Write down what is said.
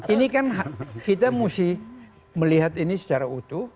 ini kan kita mesti melihat ini secara utuh